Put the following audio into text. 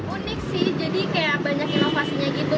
unik sih jadi kayak banyak inovasinya gitu